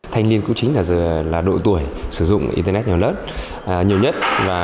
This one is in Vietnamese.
thanh niên cũng chính là độ tuổi sử dụng internet nhỏ lớn nhiều nhất